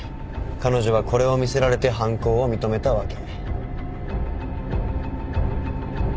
彼女はこれを見せられて犯行を認めたわけ。